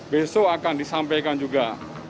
besok akan disampaikan juga